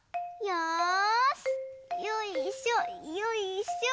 よいしょよいしょ。